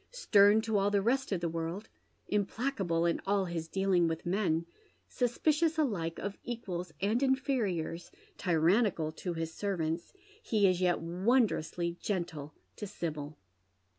Stem CO all the rest of the world, implacable in all his dealing with men, suspicious alike of equals and inferiors, tyi annical to hia servants, he is yet wondrously gentle to Sibyl.